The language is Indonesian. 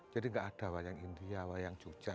jadi gak ada wayang india wayang jogja